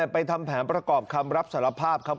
ไปทำแผนประกอบคำรับสารภาพครับ